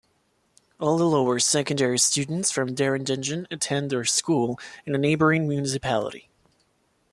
All the lower secondary students from Derendingen attend their school in a neighboring municipality.